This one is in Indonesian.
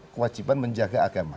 kewajiban menjaga agama